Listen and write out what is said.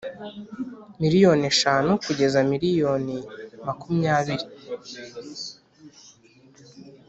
miliyoni eshanu kugeza miliyoni makumyabiri